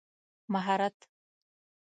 مهارت